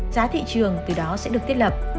giá thị trường từ đó sẽ được tiết lập